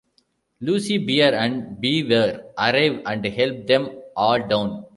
Lucy, Bear and Beaver arrive and help them all down.